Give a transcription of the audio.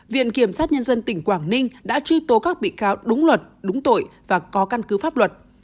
viện kiểm sát nhân dân tỉnh quảng ninh đã truy tố các bị cáo đúng luật đúng tội và có căn cứ pháp luật